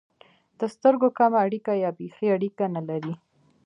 د سترګو کمه اړیکه یا بېخي اړیکه نه لري.